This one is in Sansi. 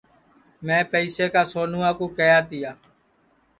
میں پئیسے کا سونوا کیہیا تیا